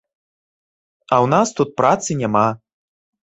А ў нас тут працы няма.